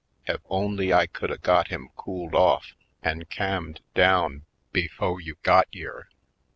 Ef only I could a got him cooled off an' ca'mmed down bef o' you got yere